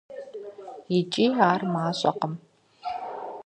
ИкӀи ар мащӀэкъым.